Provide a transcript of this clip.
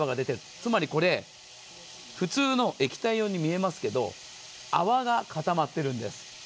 つまりこれ、普通の液体のように見えますけど泡が固まってるんです。